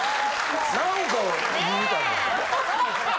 何かいいみたい。